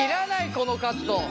このカット！